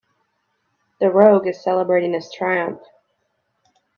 The rogue is celebrating his triumph.